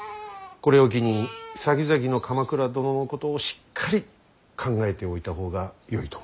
これを機にさきざきの鎌倉殿のことをしっかり考えておいた方がよいと思うのだ。